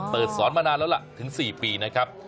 สอนมานานแล้วล่ะถึง๔ปีนะครับ